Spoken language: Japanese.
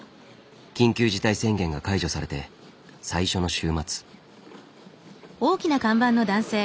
緊急事態宣言が解除されて最初の週末。